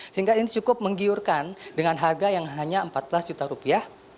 sehingga ini cukup menggiurkan dengan harga yang hanya empat belas juta rupiah